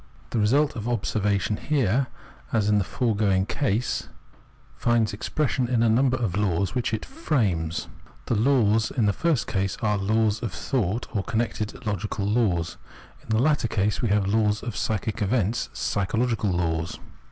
The result of observation here, as in the foregoing cases, finds expression in a number of laws, which it " frames." The " laws " in the first case are " laws of thought" or connected logical laws: in the latter case we have laws of psychic events, " psychological " laws.